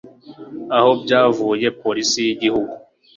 Aho byavuye Polisi y Igihugu